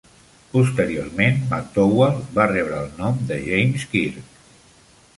Posteriorment McDowall va rebre el nom de James Kirk.